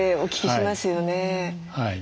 はい。